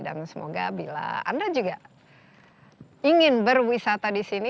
dan semoga bila anda juga ingin berwisata di sini